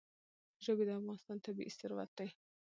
ژبې د افغانستان طبعي ثروت دی.